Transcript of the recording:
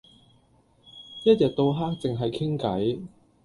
一日到黑淨係傾計